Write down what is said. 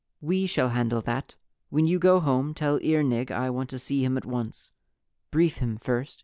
"We shall handle that. When you go home, tell Earnig I want to see him at once. Brief him first.